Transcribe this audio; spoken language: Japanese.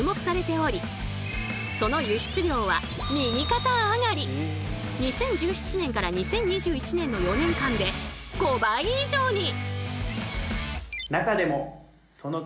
このようにそして今２０１７年から２０２１年の４年間で５倍以上に！